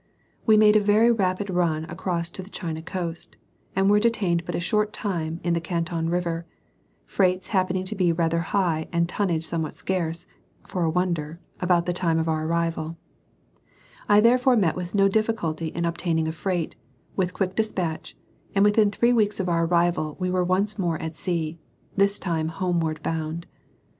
We made a very rapid run across to the China coast, and were detained but a short time in the Canton river, freights happening to be rather high and tonnage somewhat scarce for a wonder about the time of our arrival; I therefore met with no difficulty in obtaining a freight, with quick despatch, and within three weeks of our arrival we were once more at sea, this time Homeward Bound!